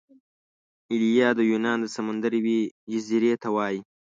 ایلیا د یونان د سمندر یوې جزیرې ته وايي.